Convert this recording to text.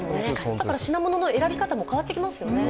だから品物の選び方も変わってきますよね。